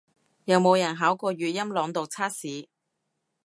有冇人考過粵音朗讀測試